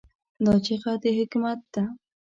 دا چیغه د حکمت ده.